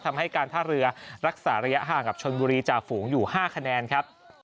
ทำให้การท่าเรือรักษาระยะห่างกับชนบุรีจ่าฝูงอยู่๕คะแนนครับ